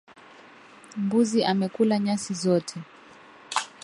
Mbuzi amekula nyasi zote.